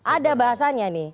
ada bahasanya nih